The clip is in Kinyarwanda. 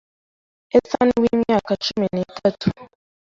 Ethan w’imyaka cumi nitatu